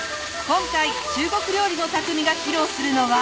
今回中国料理の匠が披露するのは。